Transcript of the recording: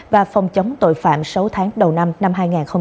và phong chống tội phạm sáu tháng đầu năm hai nghìn hai mươi hai